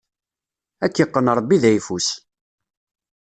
Ad k-iqqen Ṛebbi d ayeffus!